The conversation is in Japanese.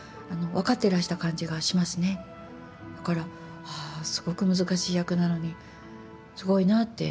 だから、すごく難しい役なのにすごいなって。